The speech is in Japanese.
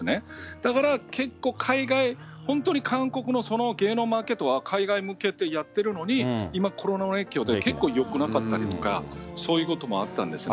だから、結構、海外、本当に韓国のその芸能マーケットは、海外向けでやってるのに、今、コロナの影響で結構、よくなかったりとか、そういうこともあったんですね。